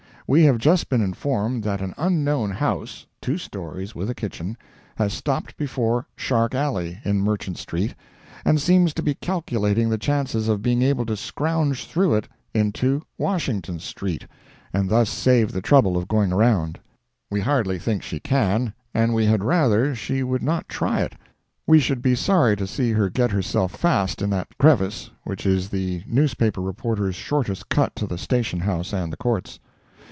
We have just been informed that an unknown house—two stories, with a kitchen—has stopped before Shark alley, in Merchant street, and seems to be calculating the chances of being able to scrouge through it into Washington street, and thus save the trouble of going around. We hardly think she can, and we had rather she would not try it; we should be sorry to see her get herself fast in that crevice, which is the newspaper reporter's shortest cut to the station house and the courts.